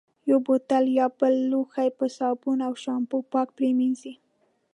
یو بوتل یا بل لوښی په صابون او شامپو پاک پرېمنځي.